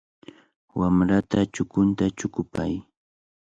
Wamrata chukunta chukupay.